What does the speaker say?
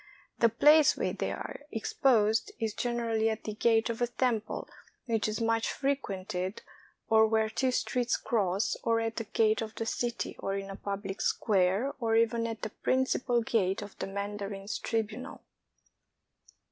The place where they are exposed is generally at the gate of a temple which is much frequented, or where two streets cross, or at the gate of the city, or in a public square, or even at the principal gate of the mandarin's tribunal.